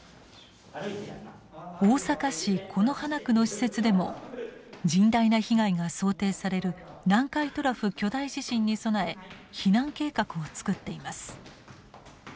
大阪市此花区の施設でも甚大な被害が想定される南海トラフ巨大地震に備え避難計画を作っています。